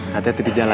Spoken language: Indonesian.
hati hati di jalan ya